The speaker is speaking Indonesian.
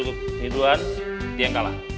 satu dua dia yang kalah